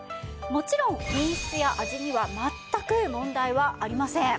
もちろん品質や味には全く問題はありません。